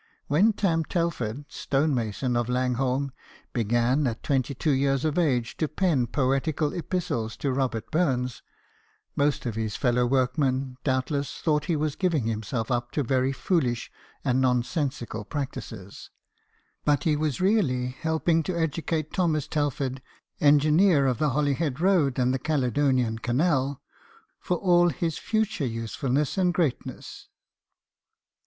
When Tain 12 BIOGRAPHIES OF WORKING MEN. Telford, stonemason of Langholm, began at twenty two years of age to pen poetical epistles to Robert Burns, most of his fellow workmen doubtless thought he was giving himself up to very foolish and nonsensical practices ; but he was really helping to educate Thomas Telford, engineer of the Holyhead Road and the Cale donian Canal, for all his future usefulness and greatness.